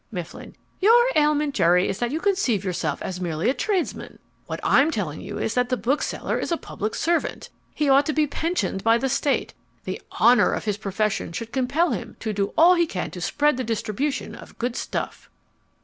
MIFFLIN Your ailment, Jerry, is that you conceive yourself as merely a tradesman. What I'm telling you is that the bookseller is a public servant. He ought to be pensioned by the state. The honour of his profession should compel him to do all he can to spread the distribution of good stuff.